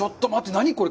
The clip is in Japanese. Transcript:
何、これ！？